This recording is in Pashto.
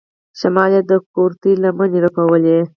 شمال يې د کورتۍ لمنې رپولې.